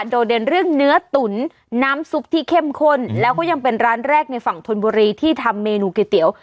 เด่นเรื่องเนื้อตุ๋นน้ำซุปที่เข้มข้นแล้วก็ยังเป็นร้านแรกในฝั่งธนบุรีที่ทำเมนูก๋วยเตี๋ยว